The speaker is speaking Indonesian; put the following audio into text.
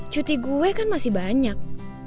cuti gue kan masih banyak